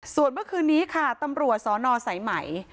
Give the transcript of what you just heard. ส่วนเมื่อคืนนี้ค่ะตำรวจสนสายไหม